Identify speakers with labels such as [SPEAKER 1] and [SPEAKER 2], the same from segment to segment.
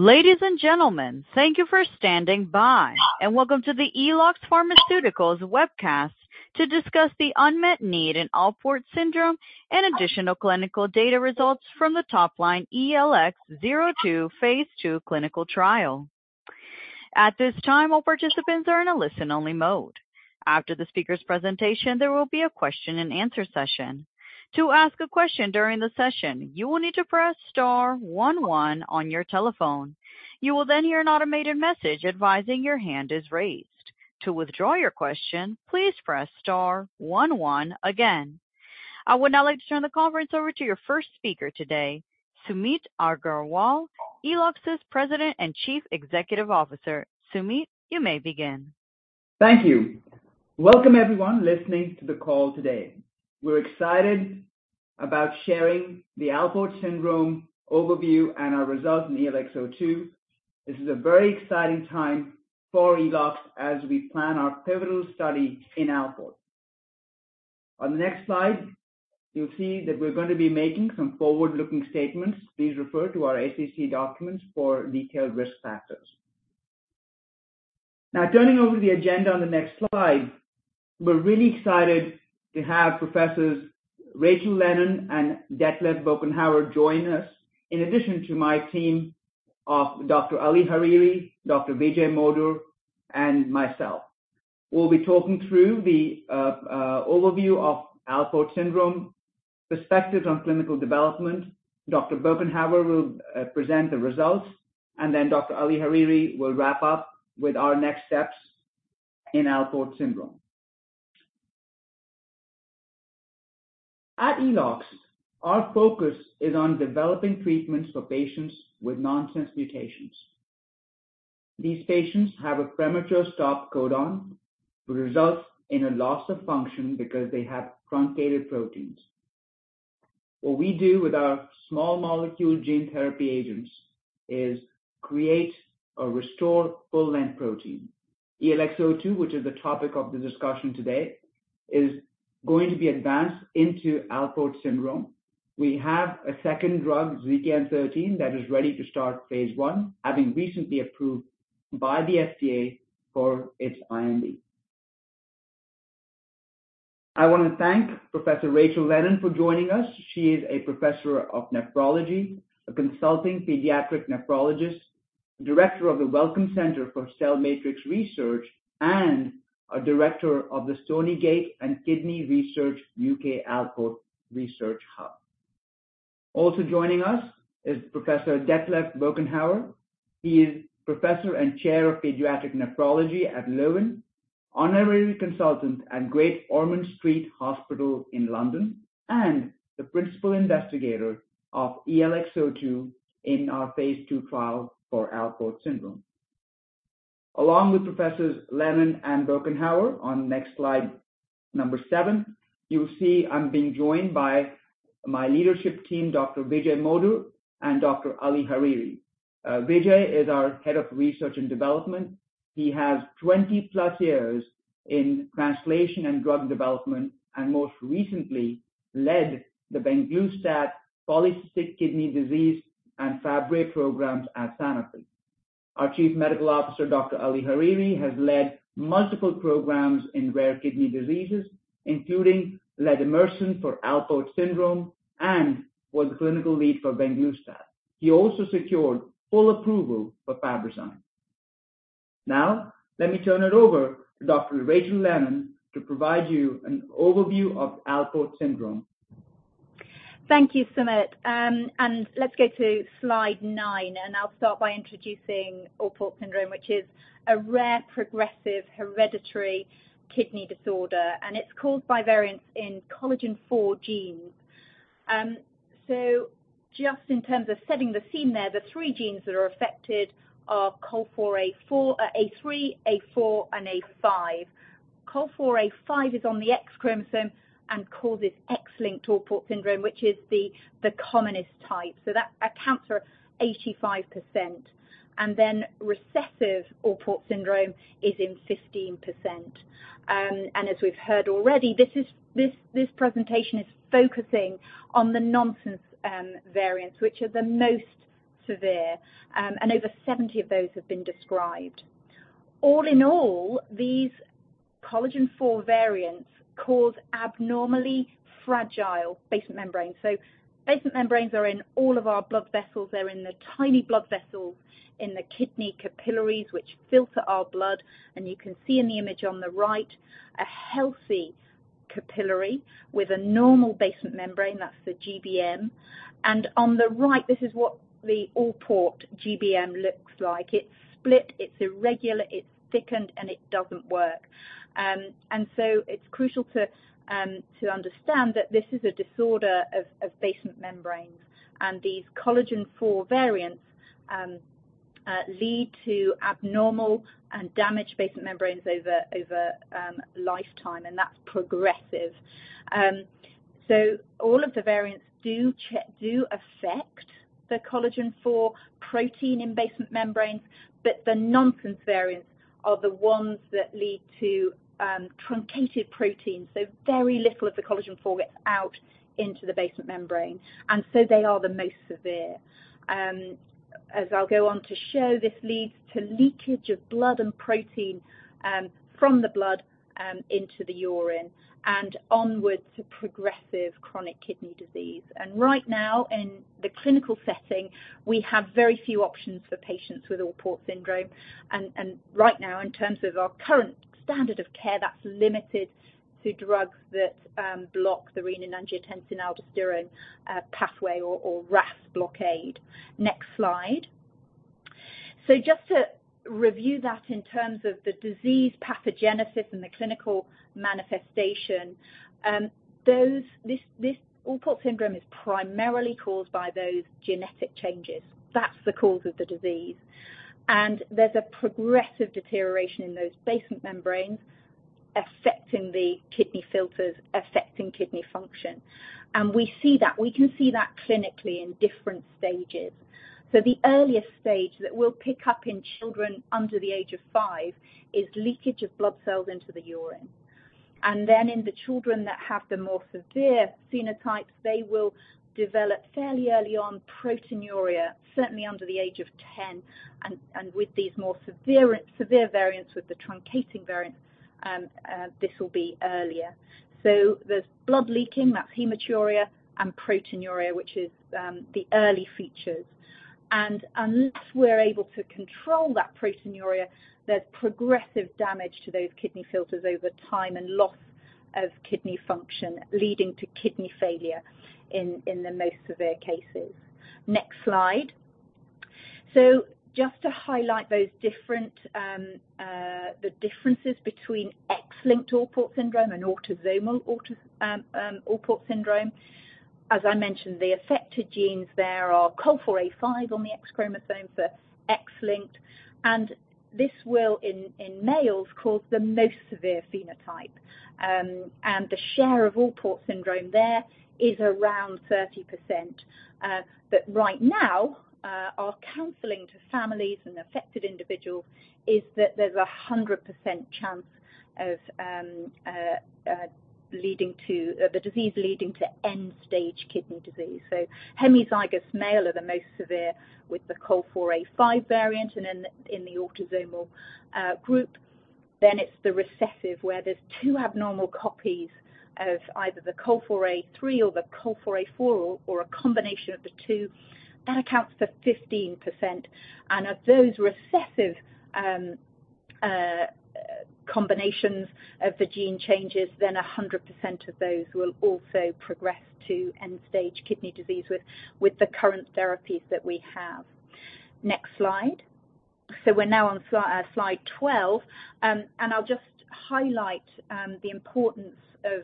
[SPEAKER 1] Ladies and gentlemen, thank you for standing by and welcome to the Eloxx Pharmaceuticals Webcast to discuss the unmet need in Alport syndrome and additional clinical data results from the top line ELX-02 phase II clinical trial. At this time, all participants are in a listen-only mode. After the speaker's presentation, there will be a question and answer session. To ask a question during the session, you will need to press star one one on your telephone. You will then hear an automated message advising your hand is raised. To withdraw your question, please press star one one again. I would now like to turn the conference over to your first speaker today, Sumit Aggarwal, Eloxx's President and Chief Executive Officer. Sumit, you may begin.
[SPEAKER 2] Thank you. Welcome everyone listening to the call today. We're excited about sharing the Alport syndrome overview and our results in ELX-02. This is a very exciting time for Eloxx as we plan our pivotal study in Alport. On the next slide, you'll see that we're going to be making some forward-looking statements. Please refer to our SEC documents for detailed risk factors. Turning over to the agenda on the next slide. We're really excited to have Professors Rachel Lennon and Detlef Bockenhauer join us, in addition to my team of Dr. Ali Hariri, Dr. Vijay Modur, and myself. We'll be talking through the overview of Alport syndrome, perspectives on clinical development. Dr. Bockenhauer will present the results, and then Dr. Ali Hariri will wrap up with our next steps in Alport syndrome. At Eloxx, our focus is on developing treatments for patients with nonsense mutations. These patients have a premature stop codon, which results in a loss of function because they have truncated proteins. What we do with our small molecule gene therapy agents is create or restore full-length protein. ELX-02, which is the topic of the discussion today, is going to be advanced into Alport syndrome. We have a second drug, ZKN-013, that is ready to start phase I, having recently approved by the FDA for its IND. I want to thank Professor Rachel Lennon for joining us. She is a Professor of Nephrology, a Consulting Pediatric Nephrologist, Director of the Wellcome Centre for Cell-Matrix Research, and a Director of the Stoneygate and Kidney Research UK Alport Research Hub. Also joining us is Professor Detlef Bockenhauer. He is Professor and Chair of Pediatric Nephrology at Leuven, Honorary Consultant at Great Ormond Street Hospital in London, and the Principal Investigator of ELX-02 in our phase II trial for Alport syndrome. Along with Professors Lennon and Bockenhauer, on next slide, number seven, you'll see I'm being joined by my leadership team, Dr. Vijay Modur and Dr. Ali Hariri. Vijay is our Head of Research and Development. He has 20-plus years in translation and drug development, and most recently led the venglustat polycystic kidney disease and Fabry programs at Sanofi. Our Chief Medical Officer, Dr. Ali Hariri, has led multiple programs in rare kidney diseases, including lademirsen for Alport syndrome and was the clinical lead for venglustat. He also secured full approval for Fabrazyme. Now, let me turn it over to Dr. Rachel Lennon to provide you an overview of Alport syndrome.
[SPEAKER 3] Thank you, Sumit. Let's go to slide nine. I'll start by introducing Alport syndrome, which is a rare, progressive hereditary kidney disorder. It's caused by variants in collagen IV genes. Just in terms of setting the scene there, the three genes that are affected are COL4A3, A4, and A5. COL4A5 is on the X chromosome and causes X-linked Alport syndrome, which is the commonest type. That accounts for 85%. Recessive Alport syndrome is in 15%. As we've heard already, this presentation is focusing on the nonsense variants, which are the most severe, and over 70 of those have been described. All in all, these collagen IV variants cause abnormally fragile basement membranes. Basement membranes are in all of our blood vessels. They're in the tiny blood vessels in the kidney capillaries, which filter our blood. You can see in the image on the right, a healthy capillary with a normal basement membrane, that's the GBM. On the right, this is what the Alport GBM looks like. It's split, it's irregular, it's thickened, and it doesn't work. It's crucial to understand that this is a disorder of basement membranes, and these collagen IV variants lead to abnormal and damaged basement membranes over lifetime, and that's progressive. All of the variants do affect the collagen IV protein in basement membranes, but the nonsense variants are the ones that lead to truncated proteins, very little of the collagen IV gets out into the basement membrane, and so they are the most severe. As I'll go on to show, this leads to leakage of blood and protein from the blood into the urine and onwards to progressive chronic kidney disease. Right now, in the clinical setting, we have very few options for patients with Alport syndrome. Right now, in terms of our current standard of care, that's limited to drugs that block the renin-angiotensin-aldosterone pathway or RAS blockade. Next slide. Just to review that in terms of the disease pathogenesis and the clinical manifestation, this Alport syndrome is primarily caused by those genetic changes. That's the cause of the disease. There's a progressive deterioration in those basement membranes affecting the kidney filters, affecting kidney function. We can see that clinically in different stages. The earliest stage that we'll pick up in children under the age of five is leakage of blood cells into the urine. Then in the children that have the more severe phenotypes, they will develop fairly early on proteinuria, certainly under the age of 10. With these more severe variants, with the truncating variants, this will be earlier. There's blood leaking, that's hematuria, and proteinuria, which is the early features. Unless we're able to control that proteinuria, there's progressive damage to those kidney filters over time and loss of kidney function, leading to kidney failure in the most severe cases. Next slide. Just to highlight the differences between X-linked Alport syndrome and autosomal Alport syndrome, as I mentioned, the affected genes there are COL4A5 on the X chromosome for X-linked, and this will, in males, cause the most severe phenotype. The share of Alport syndrome there is around 30%, but right now, our counseling to families and affected individuals is that there's 100% chance of the disease leading to end-stage kidney disease. Heterozygous male are the most severe with the COL4A5 variant. In the autosomal group, it's the recessive, where there's two abnormal copies of either the COL4A3 or the COL4A4 or a combination of the two. That accounts for 15%. Of those recessive combinations of the gene changes, 100% of those will also progress to end-stage kidney disease with the current therapies that we have. Next slide. We're now on slide 12. I'll just highlight the importance of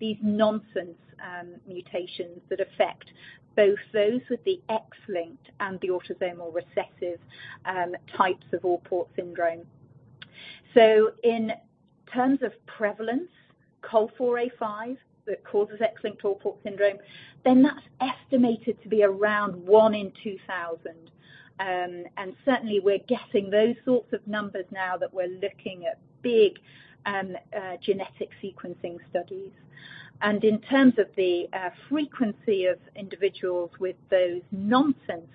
[SPEAKER 3] these nonsense mutations that affect both those with the X-linked and the autosomal recessive types of Alport syndrome. In terms of prevalence, COL4A5, that causes X-linked Alport syndrome, that's estimated to be around one in 2,000. Certainly, we're getting those sorts of numbers now that we're looking at big genetic sequencing studies. In terms of the frequency of individuals with those nonsense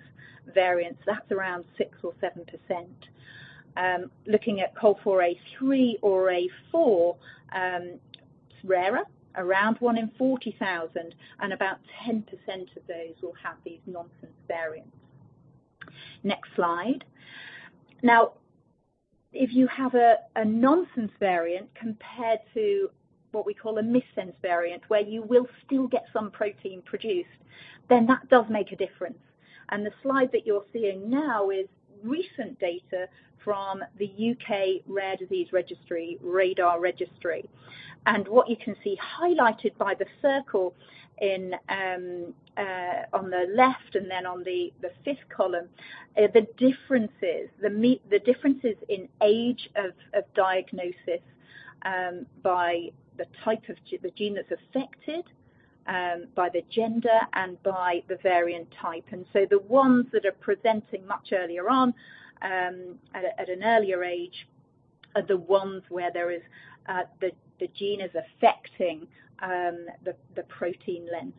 [SPEAKER 3] variants, that's around 6% or 7%. Looking at COL4A3 or A4, it's rarer, around one in 40,000, and about 10% of those will have these nonsense variants. Next slide. If you have a nonsense variant compared to what we call a missense variant, where you will still get some protein produced, that does make a difference. The slide that you're seeing now is recent data from the U.K. Rare Disease Registry, RaDaR Registry. What you can see highlighted by the circle on the left and on the fifth column, the differences in age of diagnosis by the type of the gene that's affected, by the gender, and by the variant type. The ones that are presenting much earlier on, at an earlier age, are the ones where the gene is affecting the protein length.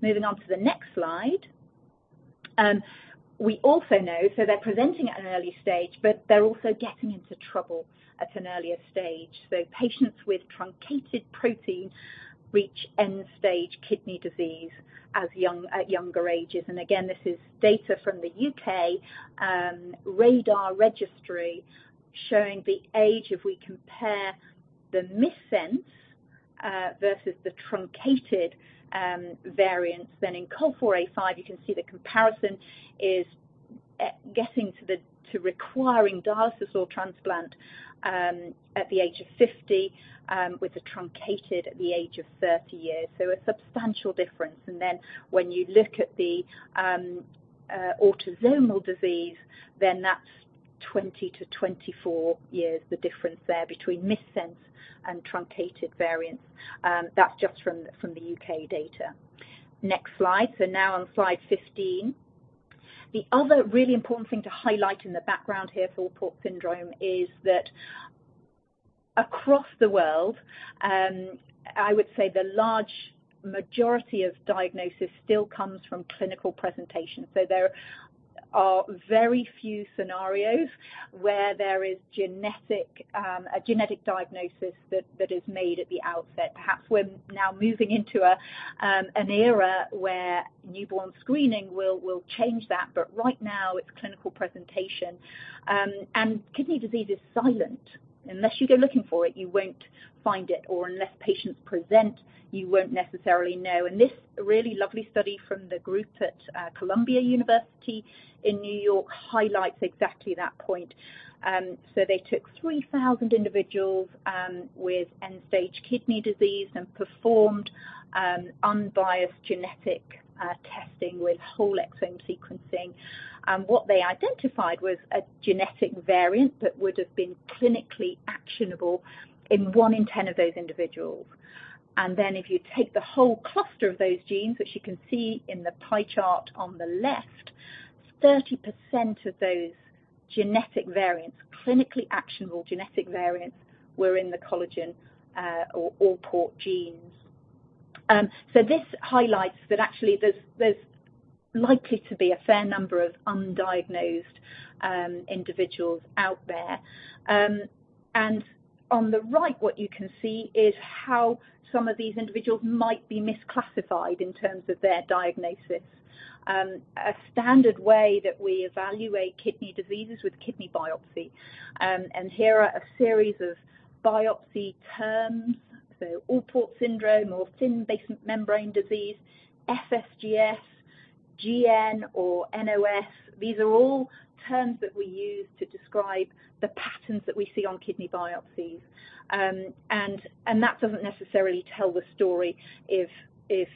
[SPEAKER 3] Moving on to the next slide. We also know, they're presenting at an early stage, they're also getting into trouble at an earlier stage. Patients with truncated protein reach end-stage kidney disease at younger ages. Again, this is data from the U.K. RaDaR Registry showing the age if we compare the missense versus the truncated variants. In COL4A5, you can see the comparison is getting to requiring dialysis or transplant at the age of 50, with the truncated at the age of 30 years. A substantial difference. When you look at the autosomal disease, that's 20 to 24 years, the difference there between missense and truncated variants. That's just from the U.K. data. Next slide. Now on slide 15. The other really important thing to highlight in the background here for Alport syndrome is. Across the world, I would say the large majority of diagnosis still comes from clinical presentation. There are very few scenarios where there is a genetic diagnosis that is made at the outset. Perhaps we're now moving into an era where newborn screening will change that, but right now it's clinical presentation. Kidney disease is silent. Unless you go looking for it, you won't find it. Unless patients present, you won't necessarily know. This really lovely study from the group at Columbia University in New York highlights exactly that point. They took 3,000 individuals with end-stage kidney disease and performed unbiased genetic testing with whole exome sequencing. What they identified was a genetic variant that would've been clinically actionable in one in 10 of those individuals. If you take the whole cluster of those genes, which you can see in the pie chart on the left, 30% of those genetic variants, clinically actionable genetic variants, were in the collagen or Alport genes. This highlights that actually there's likely to be a fair number of undiagnosed individuals out there. On the right, what you can see is how some of these individuals might be misclassified in terms of their diagnosis. A standard way that we evaluate kidney disease is with kidney biopsy. Here are a series of biopsy terms. Alport syndrome or thin basement membrane disease, FSGS, GN, or NOS, these are all terms that we use to describe the patterns that we see on kidney biopsies. That doesn't necessarily tell the story if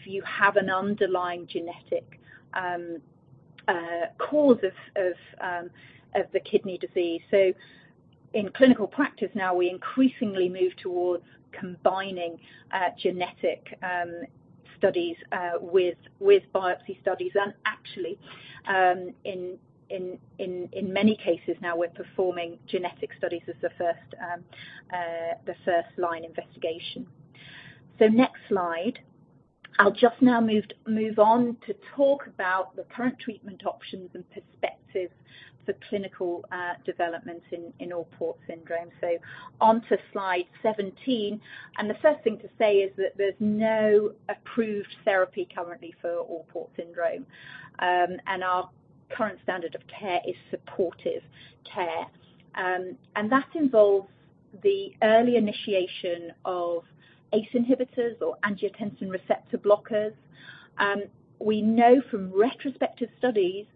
[SPEAKER 3] you have an underlying genetic cause of the kidney disease. In clinical practice now, we increasingly move towards combining genetic studies with biopsy studies. Actually, in many cases now we're performing genetic studies as the first line investigation. Next slide. I'll just now move on to talk about the current treatment options and perspectives for clinical developments in Alport syndrome. On to slide 17. The first thing to say is that there's no approved therapy currently for Alport syndrome. Our current standard of care is supportive care. That involves the early initiation of ACE inhibitors or angiotensin receptor blockers. We know from retrospective studies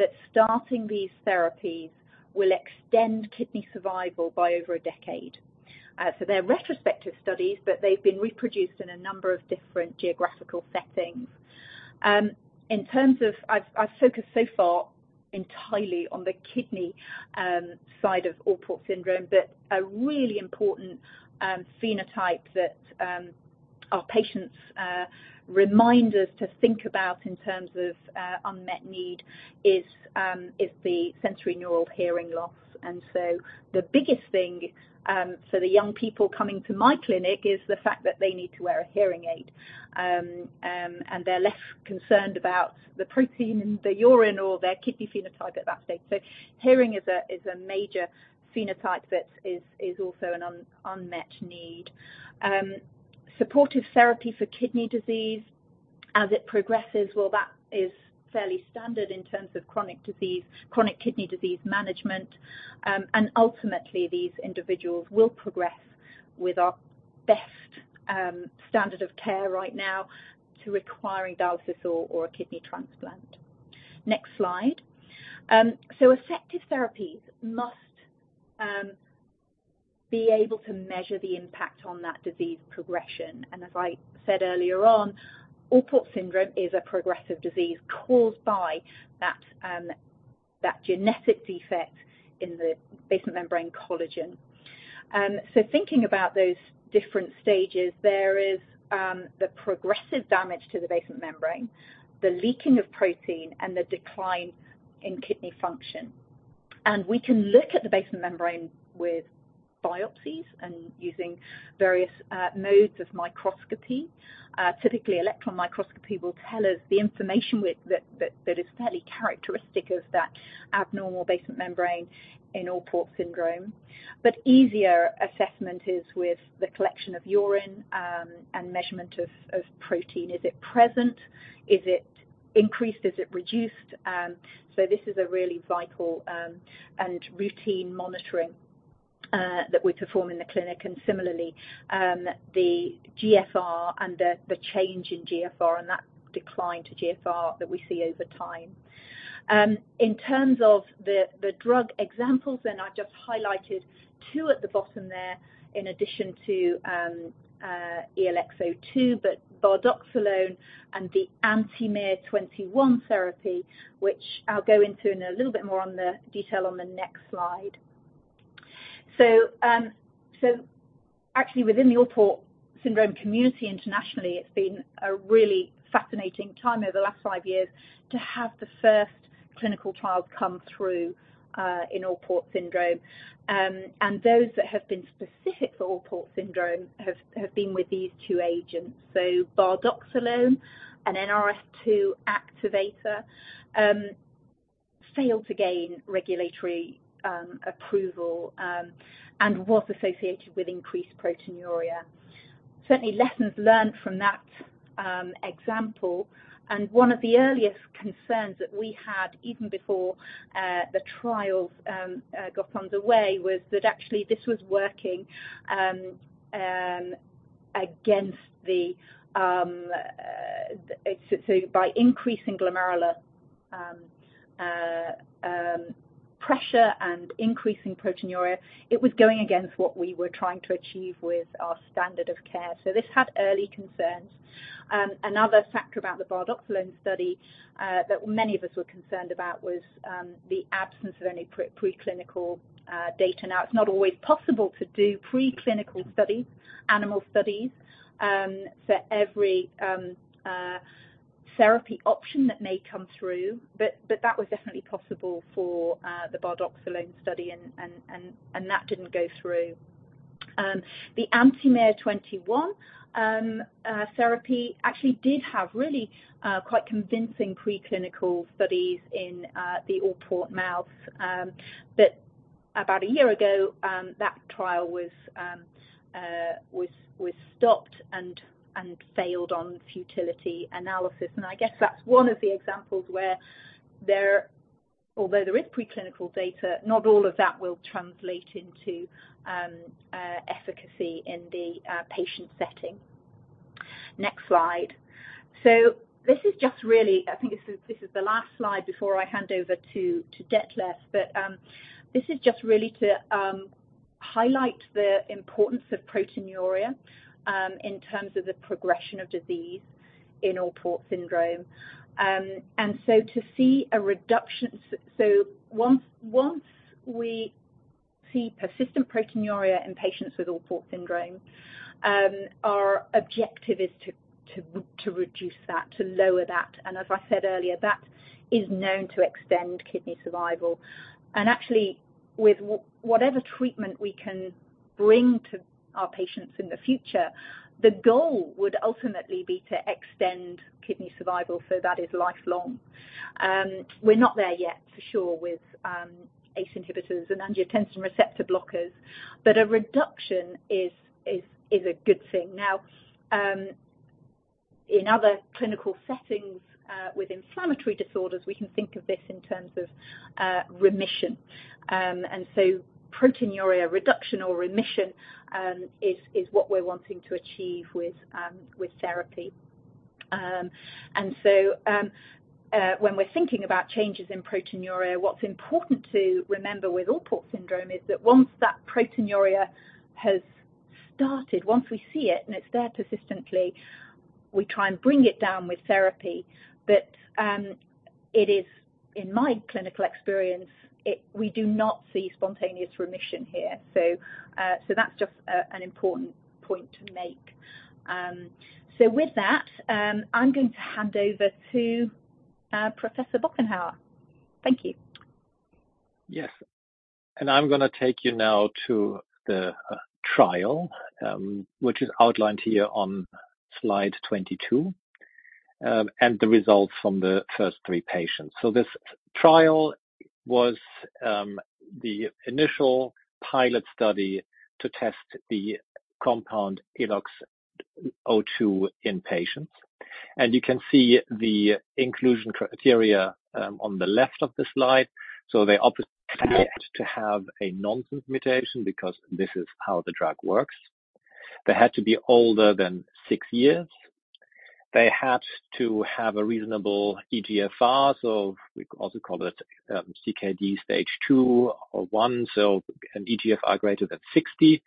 [SPEAKER 3] that starting these therapies will extend kidney survival by over a decade. They're retrospective studies, but they've been reproduced in a number of different geographical settings. I've focused so far entirely on the kidney side of Alport syndrome, but a really important phenotype that our patients remind us to think about in terms of unmet need is the sensorineural hearing loss. The biggest thing for the young people coming to my clinic is the fact that they need to wear a hearing aid, and they're less concerned about the protein in their urine or their kidney phenotype at that stage. Hearing is a major phenotype that is also an unmet need. Supportive therapy for kidney disease as it progresses, well, that is fairly standard in terms of chronic kidney disease management. Ultimately these individuals will progress with our best standard of care right now to requiring dialysis or a kidney transplant. Next slide. Effective therapies must be able to measure the impact on that disease progression, and as I said earlier on, Alport syndrome is a progressive disease caused by that genetic defect in the basement membrane collagen. Thinking about those different stages, there is the progressive damage to the basement membrane, the leaking of protein, and the decline in kidney function. We can look at the basement membrane with biopsies and using various modes of microscopy. Typically, electron microscopy will tell us the information that is fairly characteristic of that abnormal basement membrane in Alport syndrome. Easier assessment is with the collection of urine, and measurement of protein. Is it present? Is it increased? Is it reduced? This is a really vital and routine monitoring that we perform in the clinic, and similarly, the GFR and the change in GFR and that decline to GFR that we see over time. In terms of the drug examples, I've just highlighted two at the bottom there in addition to ELX-02, bardoxolone and the anti-miR-21 therapy, which I'll go into in a little bit more on the detail on the next slide. Within the Alport syndrome community internationally, it's been a really fascinating time over the last 5 years to have the first clinical trials come through in Alport syndrome. Those that have been specific for Alport syndrome have been with these two agents. bardoxolone, an Nrf2 activator, failed to gain regulatory approval and was associated with increased proteinuria. Certainly lessons learned from that example, one of the earliest concerns that we had even before the trials got underway was that actually this was working against the-- by increasing glomerular pressure and increasing proteinuria, it was going against what we were trying to achieve with our standard of care. This had early concerns. Another factor about the bardoxolone study that many of us were concerned about was the absence of any preclinical data. It's not always possible to do preclinical studies, animal studies, for every therapy option that may come through, but that was definitely possible for the bardoxolone study, and that didn't go through. The anti-miR-21 therapy actually did have really quite convincing preclinical studies in the Alport mouse. About a year ago, that trial was stopped and failed on futility analysis. I guess that's one of the examples where although there is preclinical data, not all of that will translate into efficacy in the patient setting. Next slide. This is just really, I think this is the last slide before I hand over to Detlef, but this is just really to highlight the importance of proteinuria, in terms of the progression of disease in Alport syndrome. To see a reduction-- once we see persistent proteinuria in patients with Alport syndrome, our objective is to reduce that, to lower that. As I said earlier, that is known to extend kidney survival. With whatever treatment we can bring to our patients in the future, the goal would ultimately be to extend kidney survival, that is lifelong. We're not there yet, for sure, with ACE inhibitors and angiotensin receptor blockers, but a reduction is a good thing. In other clinical settings with inflammatory disorders, we can think of this in terms of remission. Proteinuria reduction or remission is what we're wanting to achieve with therapy. When we're thinking about changes in proteinuria, what's important to remember with Alport syndrome is that once that proteinuria has started, once we see it and it's there persistently, we try and bring it down with therapy. It is, in my clinical experience, we do not see spontaneous remission here. That's just an important point to make. With that, I'm going to hand over to Professor Bockenhauer. Thank you.
[SPEAKER 4] Yes. I'm going to take you now to the trial, which is outlined here on slide 22, the results from the first three patients. This trial was the initial pilot study to test the compound ELX-02 in patients, you can see the inclusion criteria on the left of the slide. They obviously had to have a nonsense mutation because this is how the drug works. They had to be older than six years. They had to have a reasonable eGFR, we also call it CKD stage II or I, an eGFR greater than 60,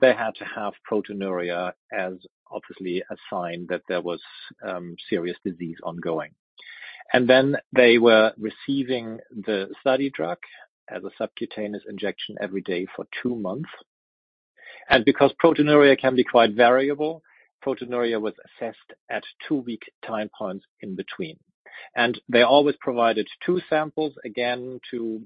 [SPEAKER 4] they had to have proteinuria as obviously a sign that there was serious disease ongoing. They were receiving the study drug as a subcutaneous injection every day for two months. Because proteinuria can be quite variable, proteinuria was assessed at two-week time points in between. They always provided two samples, again, to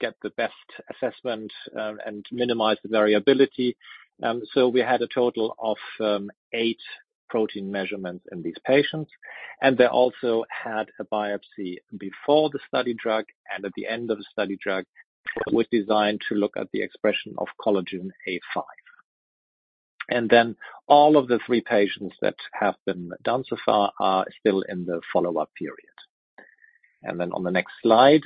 [SPEAKER 4] get the best assessment and minimize the variability. We had a total of eight protein measurements in these patients, they also had a biopsy before the study drug at the end of the study drug, which was designed to look at the expression of COL4A5. All of the three patients that have been done so far are still in the follow-up period. On the next slide,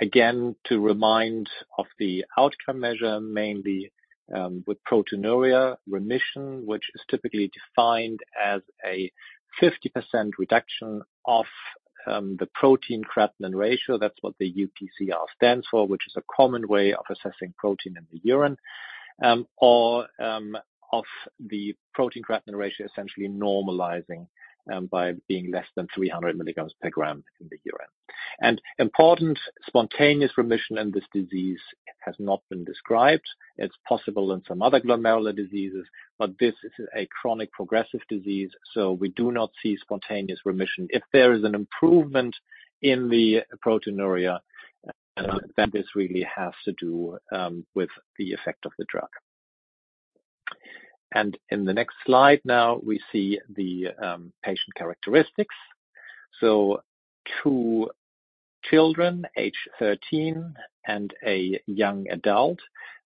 [SPEAKER 4] again, to remind of the outcome measure, mainly with proteinuria remission, which is typically defined as a 50% reduction of the protein-creatinine ratio. That's what the UPCR stands for, which is a common way of assessing protein in the urine, or of the protein-creatinine ratio essentially normalizing by being less than 300 milligrams per gram in the urine. Important, spontaneous remission in this disease has not been described. It's possible in some other glomerular diseases, this is a chronic progressive disease, we do not see spontaneous remission. If there is an improvement in the proteinuria, this really has to do with the effect of the drug. In the next slide now, we see the patient characteristics. Two children, age 13, a young adult.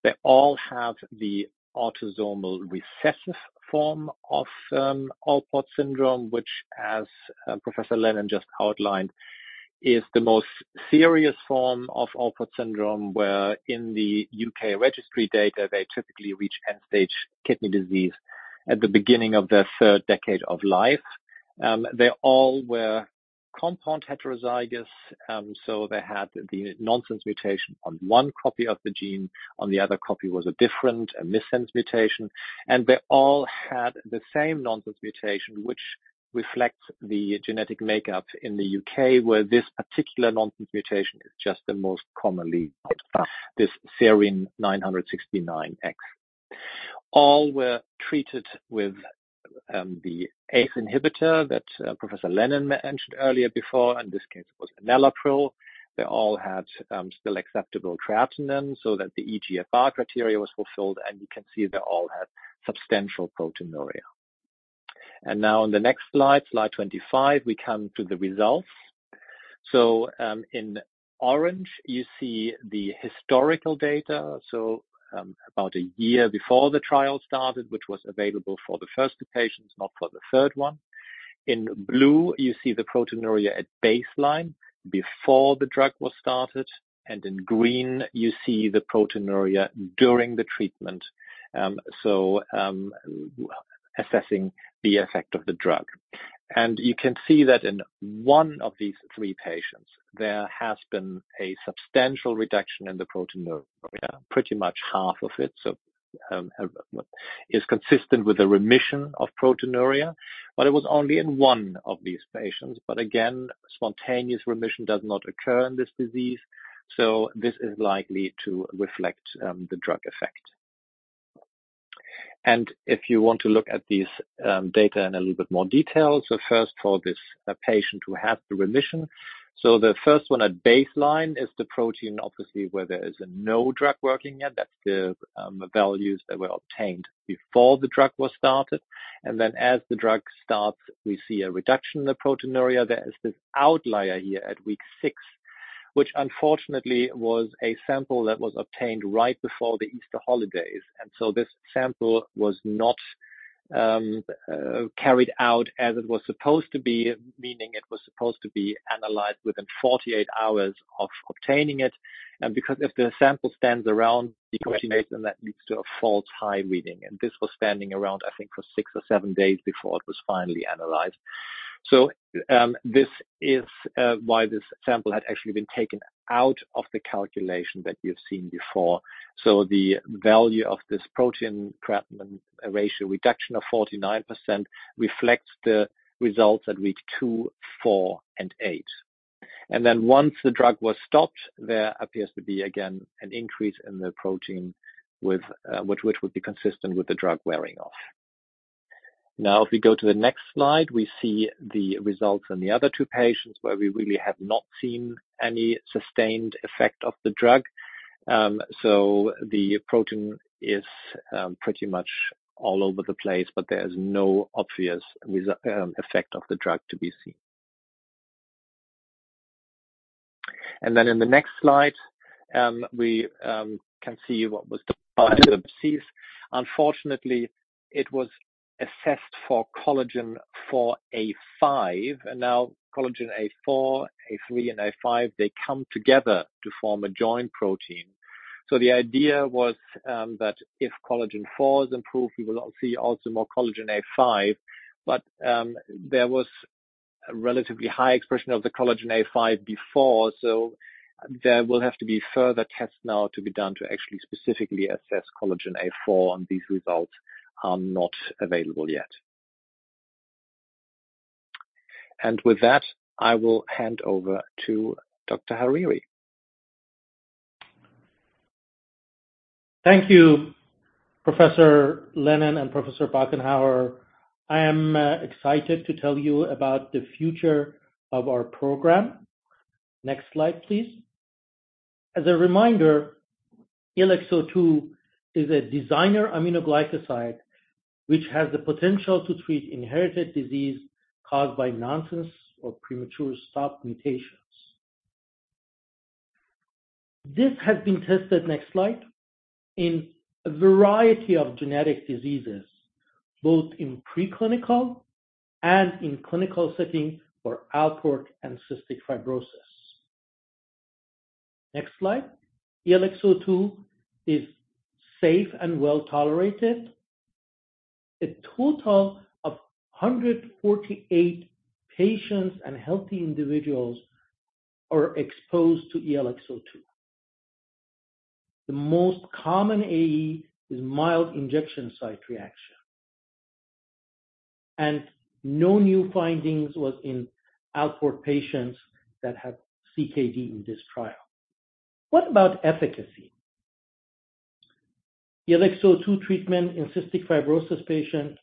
[SPEAKER 4] They all have the autosomal recessive form of Alport syndrome, which, as Professor Lennon just outlined, is the most serious form of Alport syndrome, where in the U.K. registry data, they typically reach end-stage kidney disease at the beginning of their third decade of life. They all were compound heterozygous, they had the nonsense mutation on one copy of the gene. On the other copy was a different, a missense mutation. They all had the same nonsense mutation, which reflects the genetic makeup in the U.K., where this particular nonsense mutation is just the most commonly found, this serine 969X. All were treated with the ACE inhibitor that Professor Lennon mentioned earlier before. In this case, it was enalapril. They all had still acceptable creatinine, the eGFR criteria was fulfilled, you can see they all had substantial proteinuria. Now in the next slide 25, we come to the results. In orange, you see the historical data. About a year before the trial started, which was available for the first two patients, not for the third one. In blue, you see the proteinuria at baseline before the drug was started, in green, you see the proteinuria during the treatment, assessing the effect of the drug. You can see that in one of these 3 patients, there has been a substantial reduction in the proteinuria, pretty much half of it. It is consistent with a remission of proteinuria. It was only in one of these patients. Spontaneous remission does not occur in this disease, so this is likely to reflect the drug effect. If you want to look at these data in a little bit more detail, for this patient who had the remission. The first one at baseline is the protein, obviously, where there is no drug working yet. That's the values that were obtained before the drug was started. As the drug starts, we see a reduction in the proteinuria. There is this outlier here at week 6, which unfortunately was a sample that was obtained right before the Easter holidays. This sample was not carried out as it was supposed to be, meaning it was supposed to be analyzed within 48 hours of obtaining it. Because if the sample stands around, deteriorates, that leads to a false high reading. This was standing around, I think, for 6 or 7 days before it was finally analyzed. This is why this sample had actually been taken out of the calculation that you've seen before. The value of this protein-creatinine ratio reduction of 49% reflects the results at week 2, 4 and 8. Once the drug was stopped, there appears to be, again, an increase in the protein which would be consistent with the drug wearing off. If we go to the next slide, we see the results in the other 2 patients, where we really have not seen any sustained effect of the drug. The protein is pretty much all over the place, but there is no obvious effect of the drug to be seen. In the next slide, we can see what was the disease. Unfortunately, it was assessed for COL4A5. COL4A4, COL4A3 and COL4A5, they come together to form a joint protein. The idea was that if collagen IV is improved, we will see also more COL4A5. There was a relatively high expression of the COL4A5 before, there will have to be further tests now to be done to actually specifically assess COL4A4, and these results are not available yet. With that, I will hand over to Dr. Hariri.
[SPEAKER 5] Thank you, Professor Lennon and Professor Bockenhauer. I am excited to tell you about the future of our program. Next slide, please. As a reminder, ELX-02 is a designer aminoglycoside which has the potential to treat inherited disease caused by nonsense or premature stop mutations. This has been tested, next slide, in a variety of genetic diseases, both in preclinical and in clinical settings for Alport and cystic fibrosis. Next slide. ELX-02 is safe and well-tolerated. A total of 148 patients and healthy individuals are exposed to ELX-02. The most common AE is mild injection site reaction. No new findings was in Alport patients that had CKD in this trial. What about efficacy? ELX-02 treatment in cystic fibrosis patients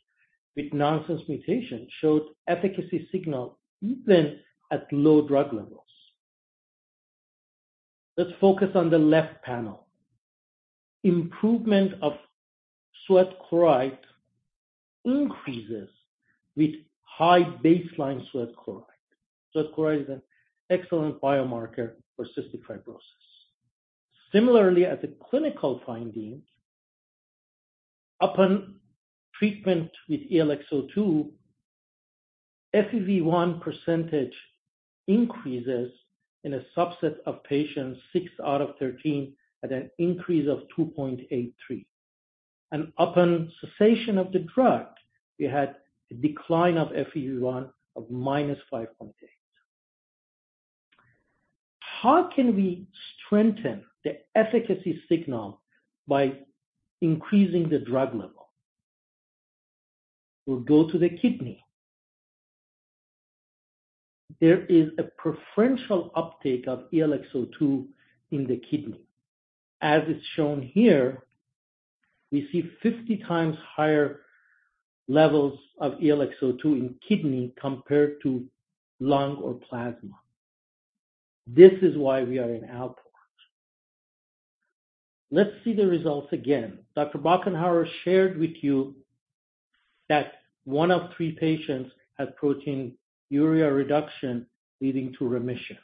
[SPEAKER 5] with nonsense mutation showed efficacy signal even at low drug levels. Let's focus on the left panel. Improvement of sweat chloride increases with high baseline sweat chloride. Sweat chloride is an excellent biomarker for cystic fibrosis. Similarly, as a clinical finding, upon treatment with ELX-02, FEV1 % increases in a subset of patients, six out of 13, at an increase of 2.83. Upon cessation of the drug, we had a decline of FEV1 of -5.8. How can we strengthen the efficacy signal by increasing the drug level? We'll go to the kidney. There is a preferential uptake of ELX-02 in the kidney. As is shown here, we see 50 times higher levels of ELX-02 in kidney compared to lung or plasma. This is why we are in Alport. Let's see the results again. Dr. Bockenhauer shared with you that one of three patients had proteinuria reduction leading to remission.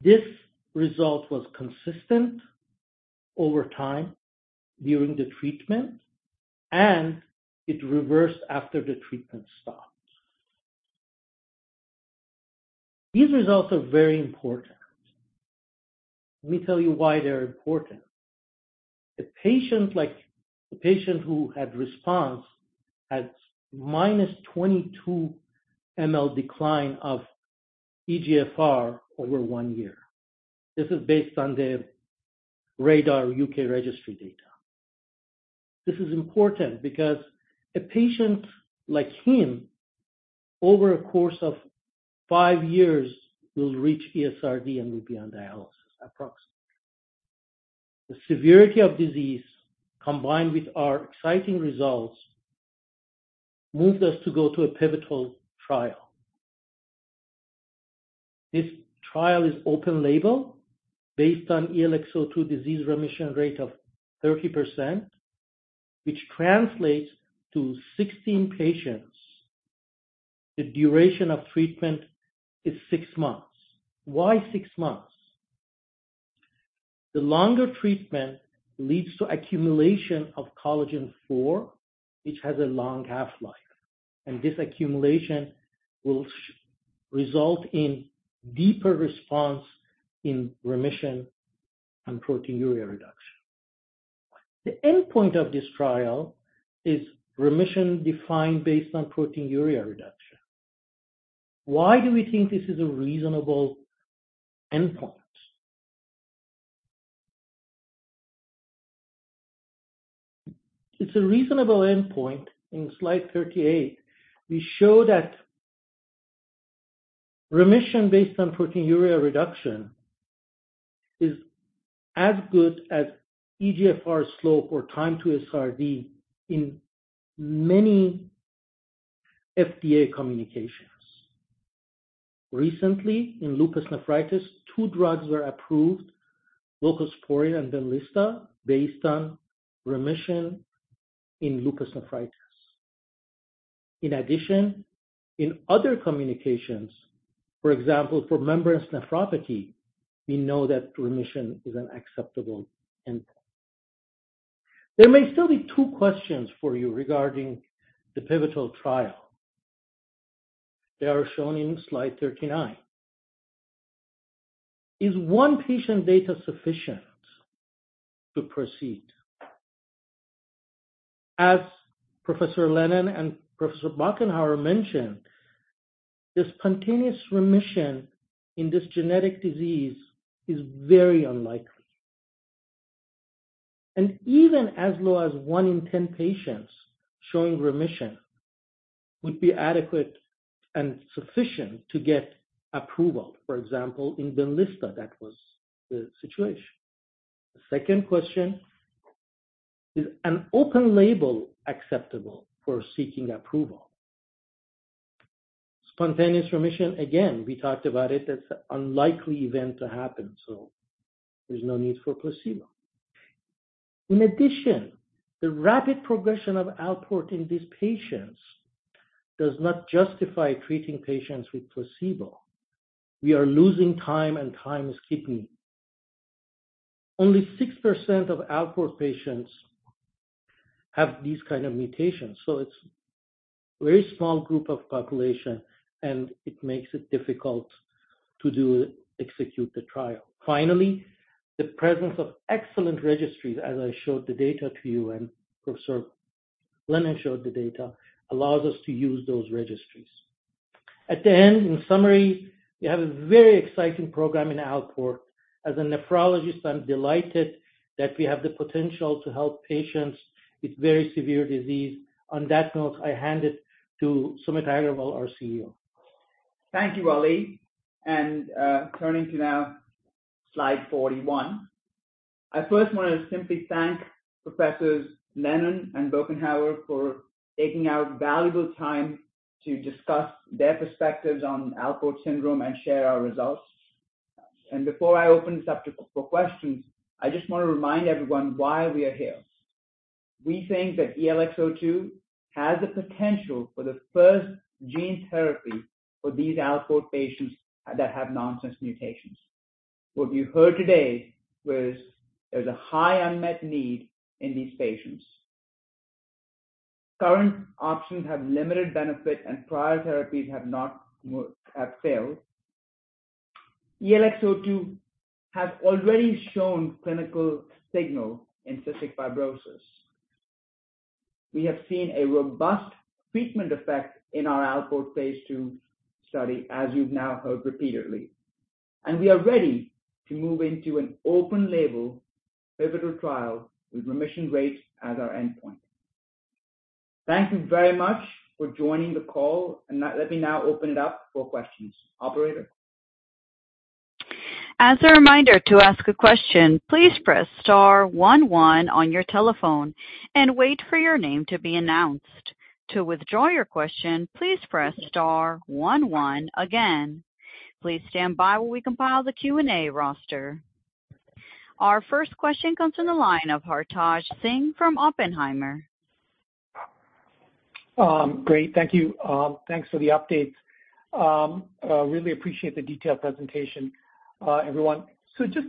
[SPEAKER 5] This result was consistent over time during the treatment, and it reversed after the treatment stopped. These results are very important. Let me tell you why they're important. A patient like the patient who had response had -22 ml decline of eGFR over one year. This is based on the RaDaR U.K. registry data. This is important because a patient like him, over a course of five years, will reach ESRD and will be on dialysis, approximately. The severity of disease, combined with our exciting results, moved us to go to a pivotal trial. This trial is open label based on ELX-02 disease remission rate of 30%, which translates to 16 patients. The duration of treatment is six months. Why six months? The longer treatment leads to accumulation of collagen IV, which has a long half-life, and this accumulation will result in deeper response in remission and proteinuria reduction. The endpoint of this trial is remission defined based on proteinuria reduction. Why do we think this is a reasonable endpoint? It's a reasonable endpoint. In slide 38, we show that remission based on proteinuria reduction is as good as eGFR slope or time to ESRD in many FDA communications. Recently, in lupus nephritis, two drugs were approved, voclosporin and BENLYSTA, based on remission in lupus nephritis. In addition, in other communications, for example, for membranous nephropathy, we know that remission is an acceptable endpoint. There may still be two questions for you regarding the pivotal trial. They are shown in slide 39. Is one patient data sufficient to proceed? As Professor Lennon and Professor Bockenhauer mentioned, this spontaneous remission in this genetic disease is very unlikely, and even as low as one in 10 patients showing remission would be adequate and sufficient to get approval. For example, in BENLYSTA, that was the situation. The second question, is an open label acceptable for seeking approval? Spontaneous remission, again, we talked about it, that's an unlikely event to happen, so there's no need for a placebo. In addition, the rapid progression of Alport in these patients does not justify treating patients with placebo. We are losing time, and time is kidney. Only 6% of Alport patients have these kind of mutations, so it's a very small group of population, and it makes it difficult to execute the trial. Finally, the presence of excellent registries, as I showed the data to you and Professor Lennon showed the data, allows us to use those registries. At the end, in summary, we have a very exciting program in Alport. As a nephrologist, I'm delighted that we have the potential to help patients with very severe disease. On that note, I hand it to Sumit Aggarwal, our CEO.
[SPEAKER 2] Thank you, Ali. Turning to now slide 41. I first want to simply thank Professors Lennon and Bockenhauer for taking out valuable time to discuss their perspectives on Alport syndrome and share our results. Before I open this up for questions, I just want to remind everyone why we are here. We think that ELX-02 has the potential for the first gene therapy for these Alport patients that have nonsense mutations. What you heard today was there's a high unmet need in these patients. Current options have limited benefit, and prior therapies have failed. ELX-02 has already shown clinical signal in cystic fibrosis. We have seen a robust treatment effect in our Alport phase II study, as you've now heard repeatedly. We are ready to move into an open-label pivotal trial with remission rates as our endpoint. Thank you very much for joining the call, and let me now open it up for questions. Operator?
[SPEAKER 1] As a reminder, to ask a question, please press star one one on your telephone and wait for your name to be announced. To withdraw your question, please press star one one again. Please stand by while we compile the Q&A roster. Our first question comes from the line of Hartaj Singh from Oppenheimer.
[SPEAKER 6] Great. Thank you. Thanks for the updates. Really appreciate the detailed presentation, everyone. Just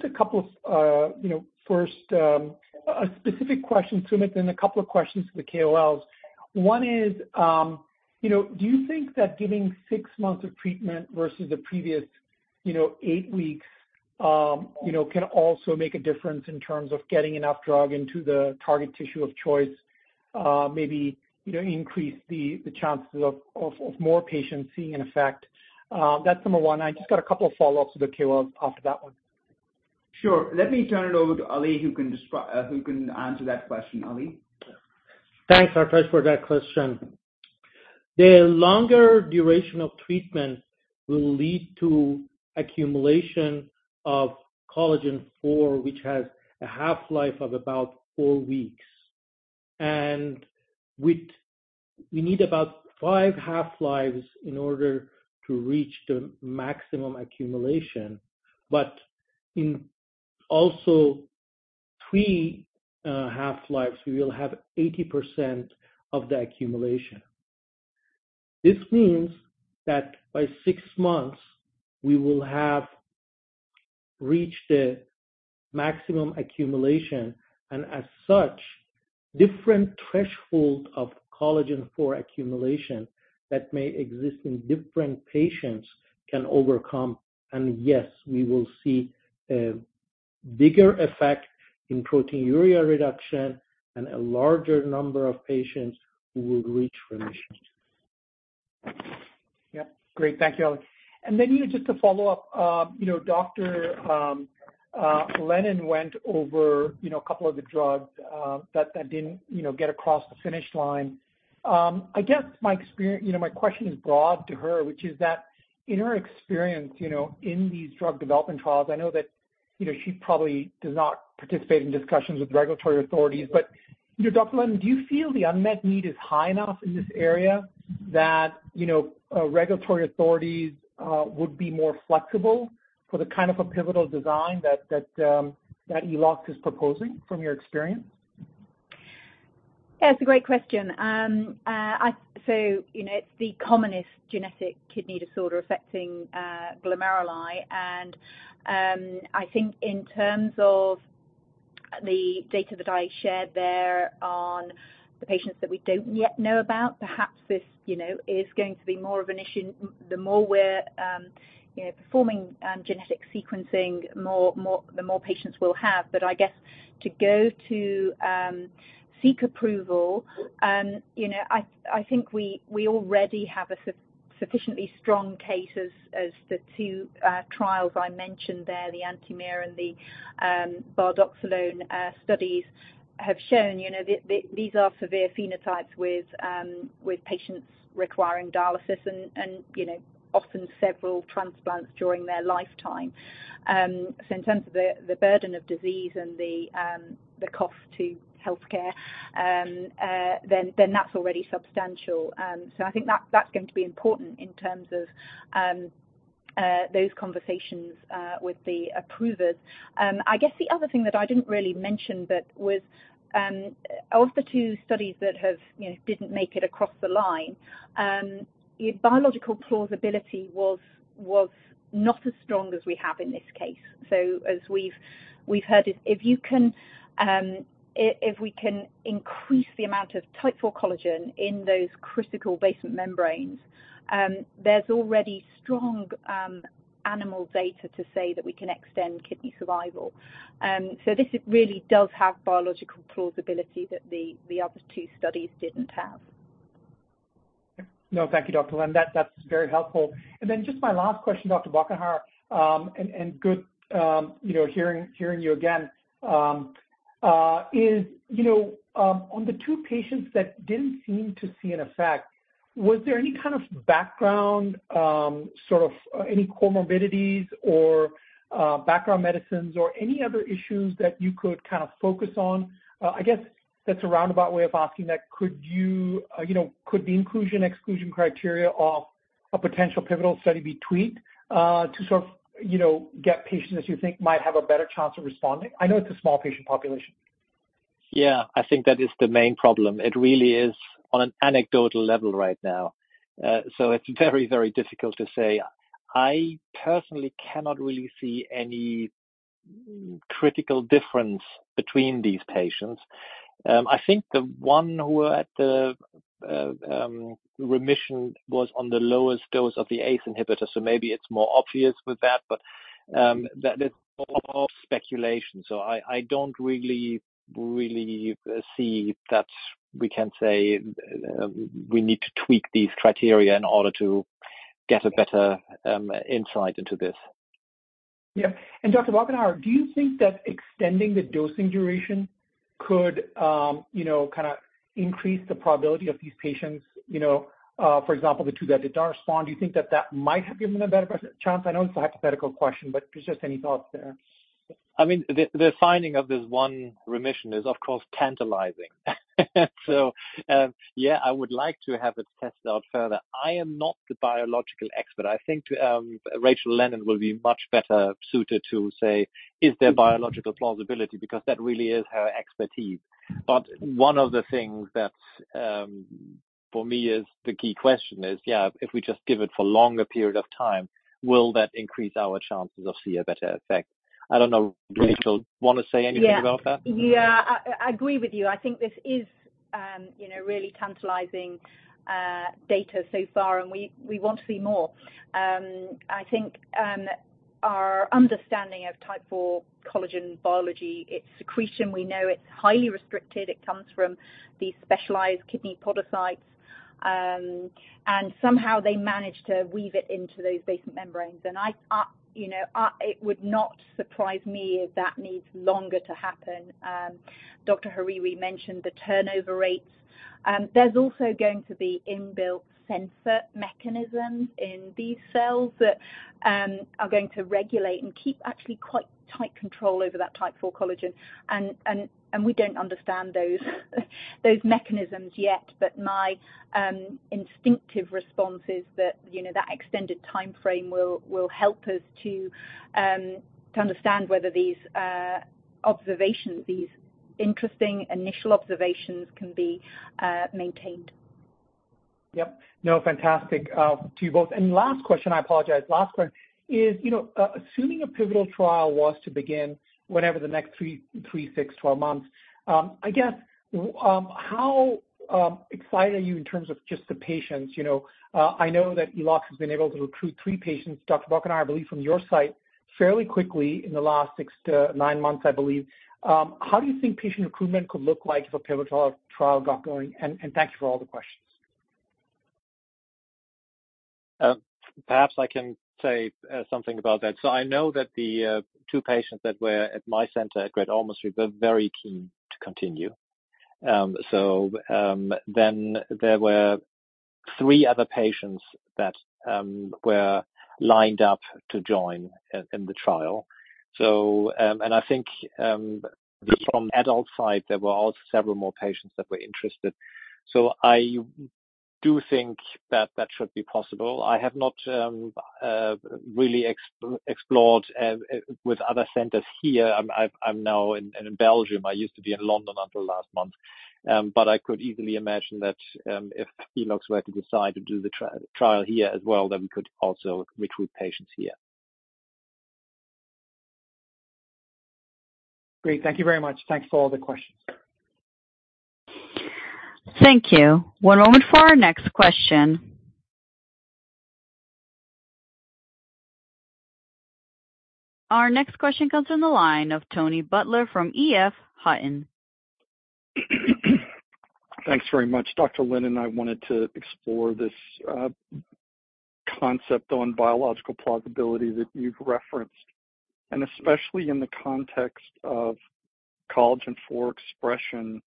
[SPEAKER 6] first, a specific question, Sumit, then a couple of questions for the KOLs. One is, do you think that giving six months of treatment versus the previous eight weeks can also make a difference in terms of getting enough drug into the target tissue of choice? Maybe increase the chances of more patients seeing an effect? That's number one. I just got a couple of follow-ups with the KOLs after that one.
[SPEAKER 2] Sure. Let me turn it over to Ali, who can answer that question. Ali?
[SPEAKER 5] Thanks, Hartaj, for that question. The longer duration of treatment will lead to accumulation of collagen IV, which has a half-life of about four weeks. We need about five half-lives in order to reach the maximum accumulation. In also three half-lives, we will have 80% of the accumulation. This means that by six months, we will have reached the maximum accumulation, and as such, different thresholds of collagen IV accumulation that may exist in different patients can overcome. Yes, we will see a bigger effect in proteinuria reduction and a larger number of patients who will reach remission.
[SPEAKER 6] Yep. Great. Thank you, Ali. Then just to follow up, Dr. Lennon went over a couple of the drugs that didn't get across the finish line. I guess my question is broad to her, which is that in her experience in these drug development trials, I know that she probably does not participate in discussions with regulatory authorities. Dr. Lennon, do you feel the unmet need is high enough in this area that regulatory authorities would be more flexible for the kind of a pivotal design that Eloxx is proposing, from your experience?
[SPEAKER 3] Yeah, it's a great question. It's the commonest genetic kidney disorder affecting glomeruli, and I think in terms of the data that I shared there on the patients that we don't yet know about, perhaps this is going to be more of an issue the more we're performing genetic sequencing, the more patients we'll have. I guess to go to seek approval, I think we already have a sufficiently strong case as the two trials I mentioned there, the anti-miR-21 and the bardoxolone studies, have shown. These are severe phenotypes with patients requiring dialysis and often several transplants during their lifetime. In terms of the burden of disease and the cost to healthcare, then that's already substantial. I think that's going to be important in terms of those conversations with the approvers. I guess the other thing that I didn't really mention, of the two studies that didn't make it across the line, the biological plausibility was not as strong as we have in this case. As we've heard, if we can increase the amount of type IV collagen in those critical basement membranes, there's already strong animal data to say that we can extend kidney survival. This really does have biological plausibility that the other two studies didn't have.
[SPEAKER 6] No, thank you, Dr. Lennon. That's very helpful. Just my last question, Dr. Bockenhauer, and good hearing you again, on the two patients that didn't seem to see an effect, was there any kind of background, any comorbidities or background medicines or any other issues that you could kind of focus on? I guess that's a roundabout way of asking that, could the inclusion/exclusion criteria of a potential pivotal study be tweaked to sort of get patients who you think might have a better chance of responding? I know it's a small patient population.
[SPEAKER 4] Yeah. I think that is the main problem. It really is on an anecdotal level right now. It's very, very difficult to say. I personally cannot really see any critical difference between these patients. I think the one who had the remission was on the lowest dose of the ACE inhibitor, maybe it's more obvious with that. That is all speculation, I don't really see that we can say we need to tweak these criteria in order to get a better insight into this.
[SPEAKER 6] Yeah. Dr. Bockenhauer, do you think that extending the dosing duration could increase the probability of these patients, for example, the two that did not respond? Do you think that that might have given a better chance? I know it's a hypothetical question, it's just any thoughts there.
[SPEAKER 4] The finding of this one remission is, of course, tantalizing. Yeah, I would like to have it tested out further. I am not the biological expert. I think Rachel Lennon will be much better suited to say is there biological plausibility, because that really is her expertise. One of the things that for me is the key question is, yeah, if we just give it for longer period of time, will that increase our chances of see a better effect? I don't know. Do you, Rachel, want to say anything about that?
[SPEAKER 3] Yeah. I agree with you. I think this is really tantalizing data so far, and we want to see more. I think our understanding of type IV collagen biology, its secretion, we know it's highly restricted. It comes from these specialized kidney podocytes, and somehow they manage to weave it into those basement membranes. It would not surprise me if that needs longer to happen. Dr. Hariri mentioned the turnover rates. There's also going to be inbuilt sensor mechanisms in these cells that are going to regulate and keep actually quite tight control over that type IV collagen. We don't understand those mechanisms yet, but my instinctive response is that extended timeframe will help us to understand whether these interesting initial observations can be maintained.
[SPEAKER 6] Yep. No, fantastic to you both. Last question, I apologize. Last one is, assuming a pivotal trial was to begin whenever the next 3, 6, 12 months, I guess, how excited are you in terms of just the patients? I know that Eloxx has been able to recruit three patients, Dr. Bockenhauer, I believe, from your site fairly quickly in the last six to nine months, I believe. How do you think patient recruitment could look like if a pivotal trial got going? Thank you for all the questions.
[SPEAKER 4] Perhaps I can say something about that. I know that the two patients that were at my center at Great Ormond Street were very keen to continue. There were three other patients that were lined up to join in the trial. I think from adult side, there were also several more patients that were interested. I do think that that should be possible. I have not really explored with other centers here. I'm now in Belgium. I used to be in London until last month. I could easily imagine that if Eloxx were to decide to do the trial here as well, we could also recruit patients here.
[SPEAKER 6] Great. Thank you very much. Thanks for all the questions.
[SPEAKER 1] Thank you. One moment for our next question. Our next question comes from the line of Tony Butler from EF Hutton.
[SPEAKER 7] Thanks very much. Dr. Lennon, I wanted to explore this concept on biological plausibility that you've referenced, especially in the context of collagen IV expression.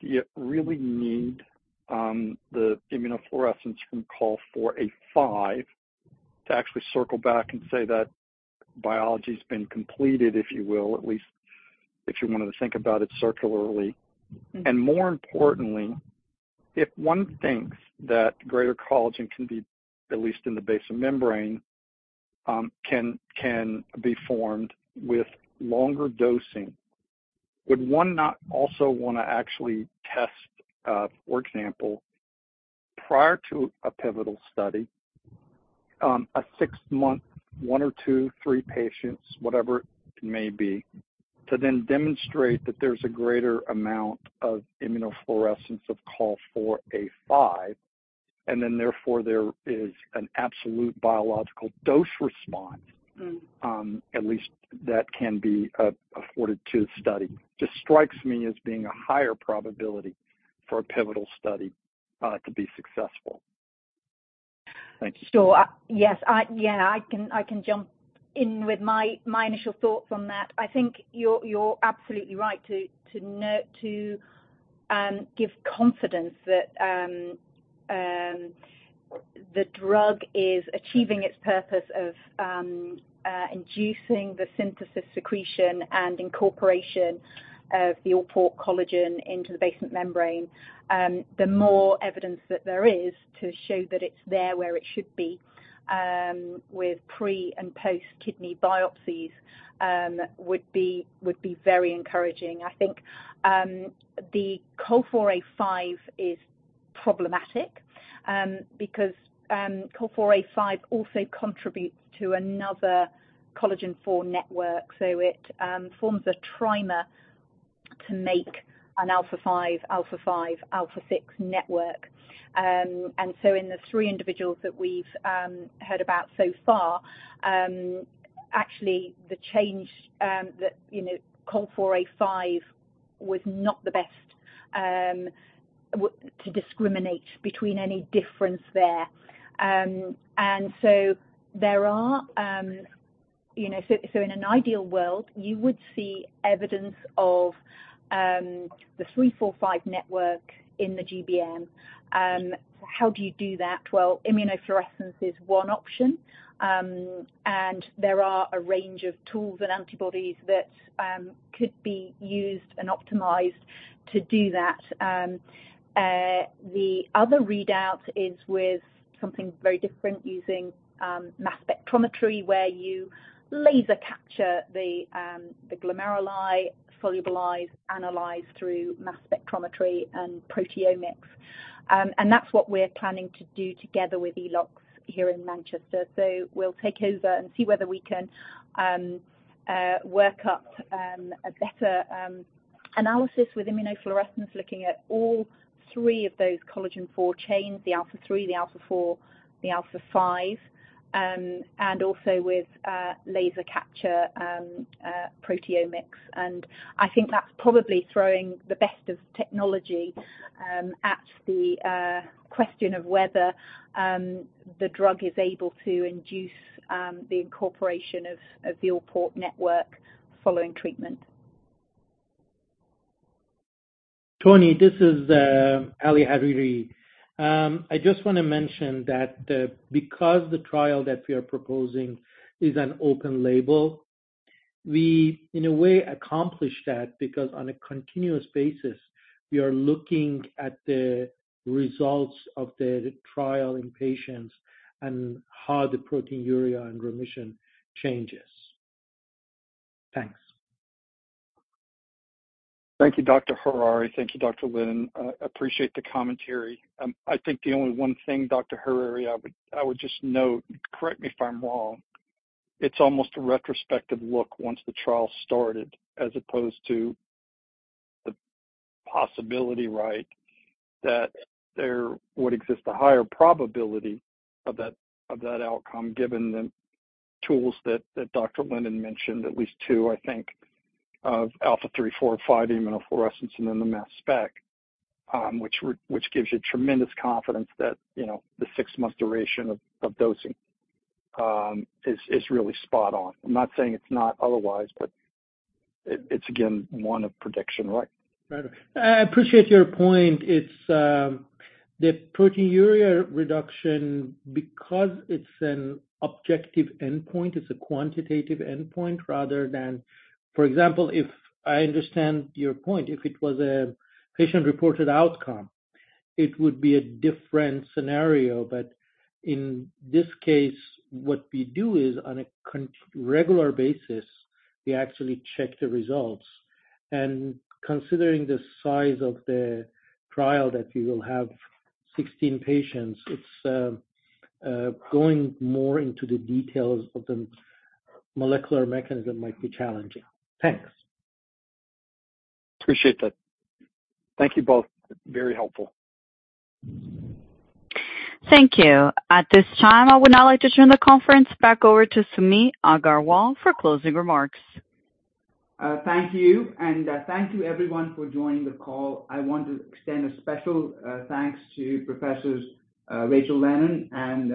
[SPEAKER 7] Do you really need the immunofluorescence from COL4A5 to actually circle back and say that biology's been completed, if you will, at least if you wanted to think about it circularly. More importantly, if one thinks that greater collagen can be, at least in the basement membrane, can be formed with longer dosing, would one not also want to actually test, for example, prior to a pivotal study, a 6-month, one or two, three patients, whatever it may be, to then demonstrate that there's a greater amount of immunofluorescence of COL4A5, then therefore there is an absolute biological dose response, at least that can be afforded to the study? Just strikes me as being a higher probability for a pivotal study to be successful.
[SPEAKER 3] Sure. Yes, I can jump in with my initial thoughts on that. I think you're absolutely right to give confidence that the drug is achieving its purpose of inducing the synthesis secretion and incorporation of the Alport collagen into the basement membrane. The more evidence that there is to show that it's there where it should be, with pre and post kidney biopsies, would be very encouraging. I think the COL4A5 is problematic because COL4A5 also contributes to another collagen IV network. It forms a trimer to make an alpha 5, alpha 5, alpha 6 network. In the three individuals that we've heard about so far, actually, the change, that COL4A5 was not the best to discriminate between any difference there. In an ideal world, you would see evidence of the 3, 4, 5 network in the GBM. How do you do that? Well, immunofluorescence is one option, and there are a range of tools and antibodies that could be used and optimized to do that. The other readout is with something very different, using mass spectrometry, where you laser capture the glomeruli, solubilize, analyze through mass spectrometry and proteomics. That's what we're planning to do together with Eloxx here in Manchester. We'll take over and see whether we can work up a better analysis with immunofluorescence, looking at all 3 of those collagen IV chains, the alpha 3, the alpha 4, the alpha 5, and also with laser capture proteomics. I think that's probably throwing the best of technology at the question of whether the drug is able to induce the incorporation of the Alport network following treatment.
[SPEAKER 5] Tony, this is Ali Hariri. I just want to mention that because the trial that we are proposing is an open label, we, in a way, accomplish that because on a continuous basis, we are looking at the results of the trial in patients and how the proteinuria and remission changes. Thanks.
[SPEAKER 7] Thank you, Dr. Hariri. Thank you, Dr. Lennon. I appreciate the commentary. I think the only one thing, Dr. Hariri, I would just note, correct me if I'm wrong, it's almost a retrospective look once the trial started, as opposed to the possibility, right, that there would exist a higher probability of that outcome given the tools that Dr. Lennon mentioned, at least two, I think, of alpha 3, 4, and 5 immunofluorescence and then the mass spec, which gives you tremendous confidence that the six-month duration of dosing is really spot on. I'm not saying it's not otherwise, but it's again, one of prediction, right?
[SPEAKER 5] Right. I appreciate your point. It's the proteinuria reduction because it's an objective endpoint, it's a quantitative endpoint rather than if I understand your point, if it was a patient-reported outcome, it would be a different scenario. In this case, what we do is on a regular basis, we actually check the results. Considering the size of the trial, that we will have 16 patients, it's going more into the details of the molecular mechanism might be challenging. Thanks.
[SPEAKER 7] Appreciate that. Thank you both. Very helpful.
[SPEAKER 1] Thank you. At this time, I would now like to turn the conference back over to Sumit Aggarwal for closing remarks.
[SPEAKER 2] Thank you. Thank you everyone for joining the call. I want to extend a special thanks to Professors Rachel Lennon and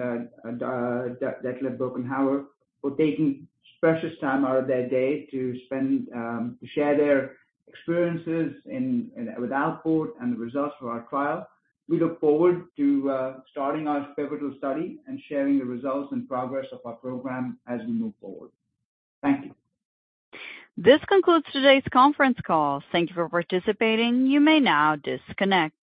[SPEAKER 2] Detlef Bockenhauer for taking precious time out of their day to share their experiences with Alport and the results for our trial. We look forward to starting our pivotal study and sharing the results and progress of our program as we move forward. Thank you.
[SPEAKER 1] This concludes today's conference call. Thank you for participating. You may now disconnect.